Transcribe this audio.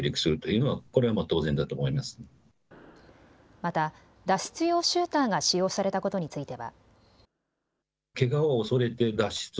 また脱出用シューターが使用されたことについては。